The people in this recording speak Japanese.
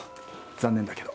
残念だけど。